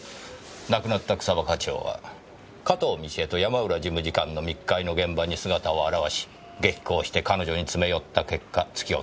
亡くなった草葉課長は加東倫恵と山浦事務次官の密会の現場に姿を現し激高して彼女に詰め寄った結果突き落とされてしまった。